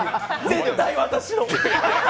絶対私の！